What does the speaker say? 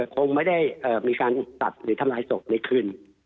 คงไม่ได้มีการตัดหรือทำลายศพในคืน